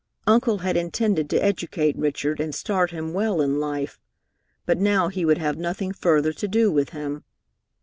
Uncle had intended to educate Richard and start him well in life, but now he would have nothing further to do with him.